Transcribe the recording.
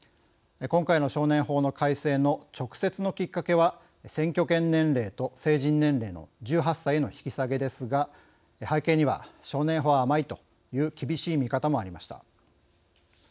今回の少年法の改正の直接のきっかけは選挙権年齢と成人年齢の１８歳への引き下げですが背景には「少年法は甘い」という厳しい見方もありました。